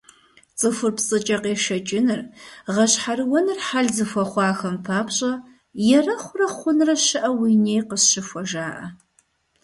ЦӀыхур пцӀыкӀэ къешэкӀыныр, гъэщхьэрыуэныр хьэл зыхуэхъуахэм папщӏэ «Ерэхъурэ хъунрэ щыӀэу уи ней къысщыхуэ» жаӏэ.